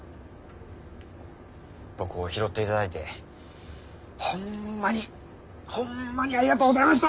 僕を拾っていただいてホンマにホンマにありがとうございました！